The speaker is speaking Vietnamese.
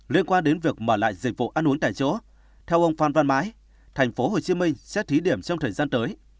liên quan đến việc mở lại dịch vụ ăn uống tại chỗ theo ông phan văn mãi tp hcm sẽ thí điểm trong thời gian tới